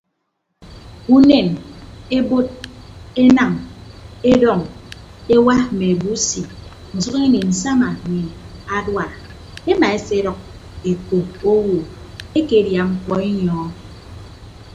Unen ebod enañ edọñ ewa mme abusi usʌk ini nsama mme adua emaeseedʌk eko owo ekedia mkpọ enyọñọ.